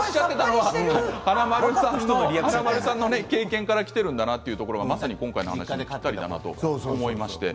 華丸さんの経験からきているんだなというところがまさに今回の話にぴったりだと思いました。